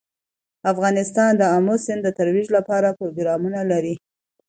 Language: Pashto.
افغانستان د آمو سیند د ترویج لپاره پروګرامونه لري.